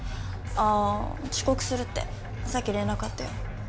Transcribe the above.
あぁ遅刻するってさっき連絡あったよ。